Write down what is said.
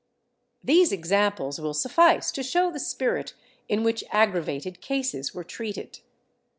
^ These examples will suffice to show the spirit in which aggra vated cases v/ere treated.